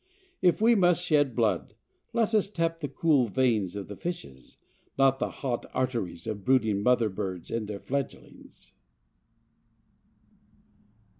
If we must shed blood let us tap the cool veins of the fishes, not the hot arteries of brooding mother birds and their fledgelings.